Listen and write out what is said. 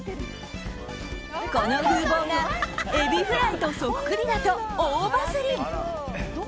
この風貌がエビフライとそっくりだと大バズり！